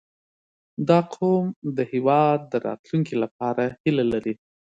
• دا قوم د هېواد د راتلونکي لپاره هیله لري.